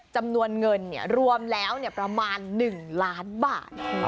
จำนวนเงินรวมแล้วประมาณ๑ล้านบาท